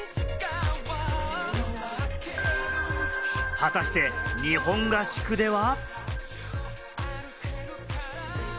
果たして日本合宿では。